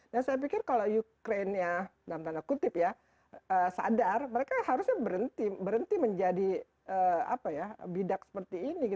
dan saya pikir kalau ukraine nya dalam tanda kutip ya sadar mereka harusnya berhenti menjadi bidak seperti ini